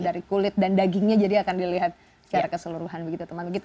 dari kulit dan dagingnya jadi akan dilihat secara keseluruhan begitu